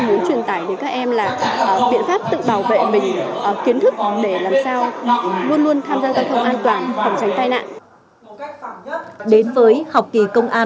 muốn truyền tải đến các em là biện pháp tự bảo vệ mình kiến thức để làm sao luôn luôn tham gia giao thông an toàn phòng tránh tai nạn